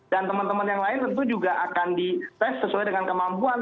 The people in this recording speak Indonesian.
dan teman teman yang lain tentu juga akan dites sesuai dengan kemampuan